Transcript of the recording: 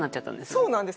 そうなんです。